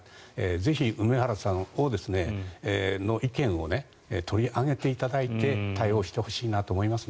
ぜひ、梅原さんの意見を取り上げていただいて対応してほしいなと思いますね。